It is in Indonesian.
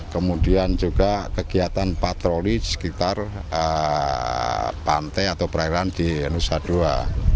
kemudian juga kegiatan patroli di sekitar pantai atau perairan di nusa dua